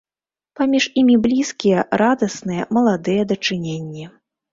Паміж імі блізкія, радасныя, маладыя дачыненні.